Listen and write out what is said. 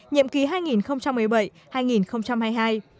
nhiệm kỳ hai nghìn một mươi bảy hai nghìn hai mươi hai